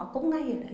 cũng nghe nghe